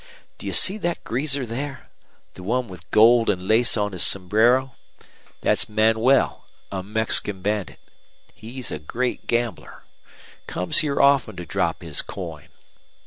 Do you see thet greaser there the one with gold an' lace on his sombrero? Thet's Manuel, a Mexican bandit. He's a great gambler. Comes here often to drop his coin.